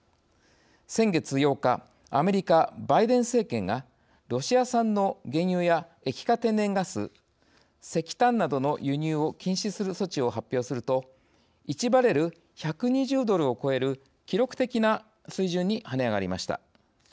先月８日、アメリカバイデン政権がロシア産の原油や液化天然ガス石炭などの輸入を禁止する措置を発表すると１バレル１２０ドルを超える記録的な水準に跳ね上がりました。